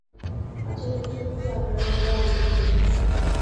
আচ্ছা, এটা কি সত্যি যে আপনারা সবাই আগে পতিতা ছিলেন?